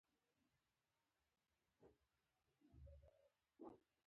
افغانستان تر هغو نه ابادیږي، ترڅو ترهګري وغندل شي.